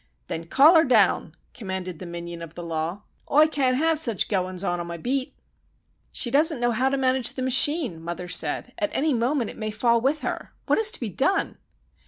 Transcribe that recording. "Then call her down," commanded the minion of the law. "Oi can't have such goin's on on my beat!" "She doesn't know how to manage the machine," mother said. "At any moment it may fall with her. What is to be done?"